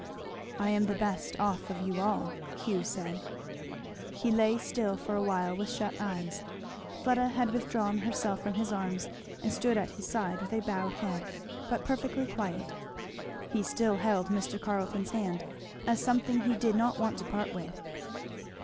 "I am the best off of you all," Hugh said. He lay still for awhile with shut eyes. Fleda had withdrawn herself from his arms and stood at his side, with a bowed head, but perfectly quiet. He still held Mr. Carleton's hand, as something he did not want to part with.